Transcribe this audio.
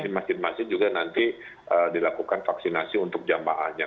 jadi masjid masjid juga nanti dilakukan vaksinasi untuk jamaahnya